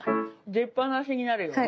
出っぱなしになるように。